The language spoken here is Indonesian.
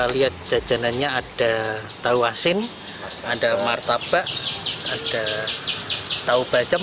lihat jajanannya ada tahu asin ada martabak ada tahu bacem